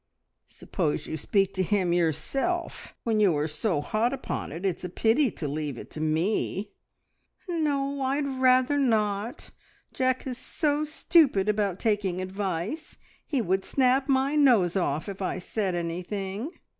"Suppose you speak to him yourself! When you are so hot upon it, it's a pity to leave it to me." "No, I'd rather not. Jack is so stupid about taking advice. He would snap my nose off if I said anything."